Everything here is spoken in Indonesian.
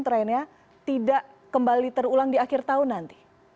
trennya tidak kembali terulang di akhir tahun nanti